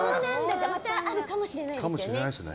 じゃあまたあるかもしれないですね。